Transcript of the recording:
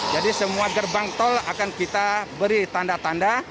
jadi semua gerbang tol akan kita beri tanda tanda